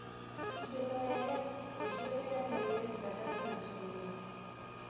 Bi jokalariak fisioterapia bidez tratatzen hasi dira.